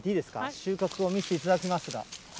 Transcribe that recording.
収穫を見せていただきますが。